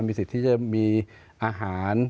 มีสิทธิ์ที่จะมีอาหาร